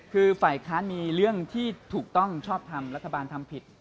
คือฝ่ายค้านมีเรื่องที่ถูกต้องชอบทำรัฐบาลทำผิด